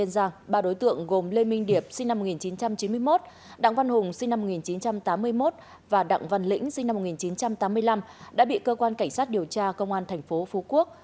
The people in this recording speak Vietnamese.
đã bị cơ quan cảnh sát điều tra công an thành phố phú quốc